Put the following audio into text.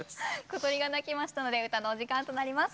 小鳥が鳴きましたので歌のお時間となります。